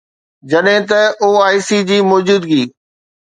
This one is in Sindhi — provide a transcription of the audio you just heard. جڏهن ته او آءِ سي جي موجودگي